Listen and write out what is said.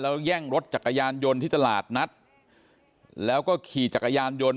แล้วแย่งรถจักรยานยนต์ที่ตลาดนัดแล้วก็ขี่จักรยานยนต์